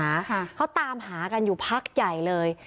ค่ะเขาตามหากันอยู่พักใหญ่เลย